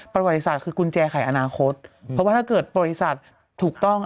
ประวัติศาสตร์คือกุญแจไขอนาคตเพราะว่าถ้าเกิดบริษัทถูกต้อง